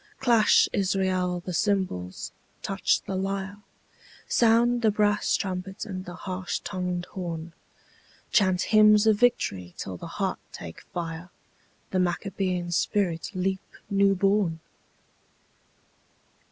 Clash, Israel, the cymbals, touch the lyre, Sound the brass trumpet and the harsh tongued horn, Chant hymns of victory till the heart take fire, The Maccabean spirit leap new born!